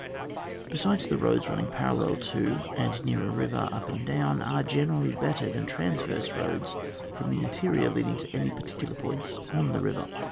Besides, the roads running parallel to and near a river up and down, are generally better than transverse roads from the interior leading to any particular points on the river.